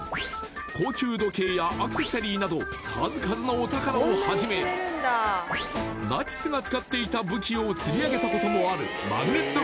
高級時計やアクセサリーなど数々のお宝をはじめナチスが使っていた武器を釣りあげたこともあるマグネット